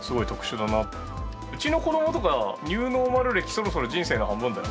うちの子どもとかはニューノーマル歴そろそろ人生の半分だよ。